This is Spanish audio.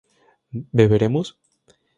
¿beberemos?